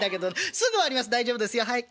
すぐ終わります大丈夫ですよはい。